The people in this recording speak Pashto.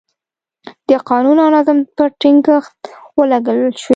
د قانون او نظم پر ټینګښت ولګول شوې.